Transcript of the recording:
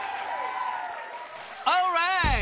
オーライ！